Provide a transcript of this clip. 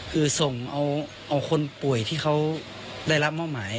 คือส่งเอาคนป่วยที่เขาได้รับมอบหมาย